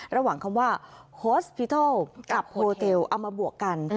ระหว่างคำว่าโฮสพิทัลกับโฮเตลเอามาบวกกัน